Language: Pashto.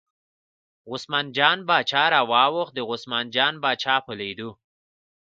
عثمان جان باچا راواوښت، د عثمان جان باچا په لیدو.